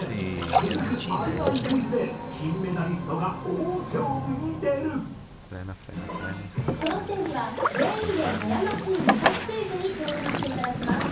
続くあるないクイズでこのステージは全員で悩ましい２択クイズに挑戦して頂きます。